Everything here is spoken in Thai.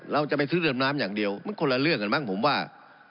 เราจะไปซื้อเดิมน้ำอย่างเดียวมันคนละเรื่องกันมั้งผมว่า